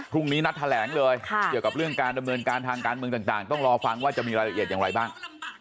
พรุ่งนี้นัดแถลงเลยเกี่ยวกับเรื่องการดำเนินการทางการเมืองต่างต้องรอฟังว่าจะมีรายละเอียดอย่างไรบ้าง